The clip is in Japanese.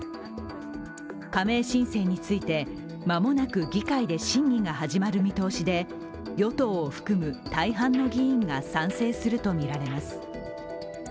加盟申請について、間もなく議会で審議が始まる見通しで与党を含む大半の議員が賛成するとみられます。